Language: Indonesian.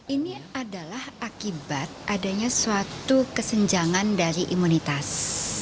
ini adalah akibat adanya suatu kesenjangan dari imunitas